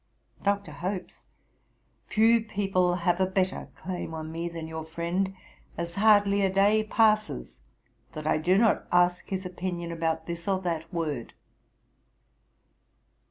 Dr. Hope's, 'Few people have a better claim on me than your friend, as hardly a day passes that I do not ask his opinion about this or that word.'